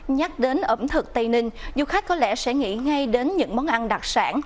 nhắc đến ẩm thực tây ninh du khách có lẽ sẽ nghĩ ngay đến những món ăn đặc sản